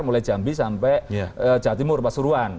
mulai jambi sampai jatimur pasuruan